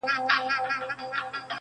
خپل وطن خپل یې څښتن سو خپل یې کور سو-